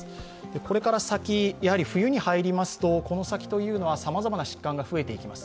これから先、冬に入りますと、さまざまな疾患が増えていきます。